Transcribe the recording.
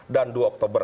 dan dua oktober